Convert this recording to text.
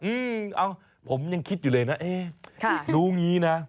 เอ้าผมยังคิดอยู่เลยนะเอ๊ะรู้งี้นะ